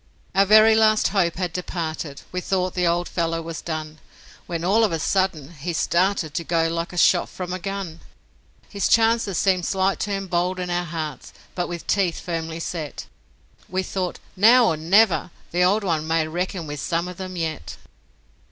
Our very last hope had departed We thought the old fellow was done, When all of a sudden he started To go like a shot from a gun. His chances seemed slight to embolden Our hearts; but, with teeth firmly set, We thought, 'Now or never! The old 'un May reckon with some of 'em yet.'